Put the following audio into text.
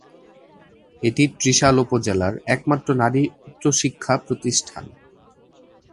এটি ত্রিশাল উপজেলার একমাত্র নারী উচ্চশিক্ষা প্রতিষ্ঠান।